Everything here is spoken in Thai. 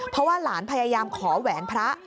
เพราะว่าหลานพยายามขอแหวนพระ